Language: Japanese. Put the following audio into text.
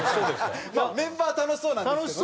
メンバーは楽しそうなんですけどね。